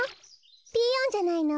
ピーヨンじゃないの。